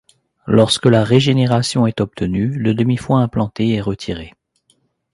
Lorsque la régénération est obtenue, le demi foie implanté est retiré.